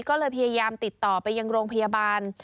ก็เลยพยายามติดต่อไปยังโรงพยาบาล